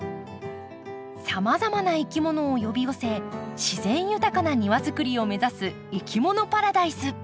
さまざまないきものを呼び寄せ自然豊かな庭作りを目指すいきものパラダイス。